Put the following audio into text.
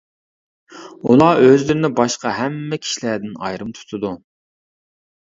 ئۇلار ئۆزلىرىنى باشقا ھەممە كىشىلەردىن ئايرىم تۇتىدۇ.